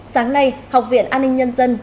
sáng nay học viện an ninh nhân dân